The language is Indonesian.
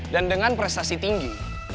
dan dengan prestasi tinggi